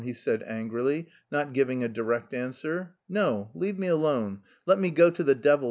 he said angrily, not giving a direct answer. "No, leave me alone, let me go to the devil!"